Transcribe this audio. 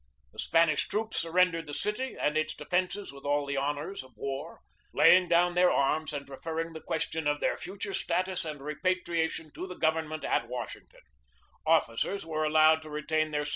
The Spanish troops surrendered the city and its defences with all the honors of war, laying down their arms and referring the question of their future status and repatriation to the government at Washington; officers were allowed to retain their 1 Appendix H.